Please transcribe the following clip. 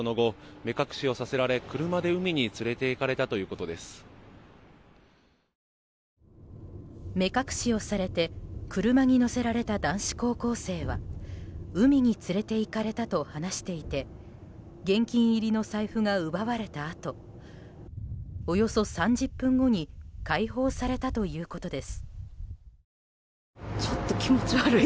目隠しをされて車に乗せられた男子高校生は海に連れていかれたと話していて現金入りの財布が奪われたあとおよそ３０分後に解放されたということです。